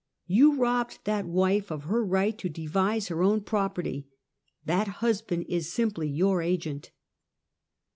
You robbed that wife of her right to devise her own property — that husband is simply your agent."